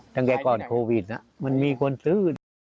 ตั้งแต่ก่อนโควิดมันมีคนซื้อนะ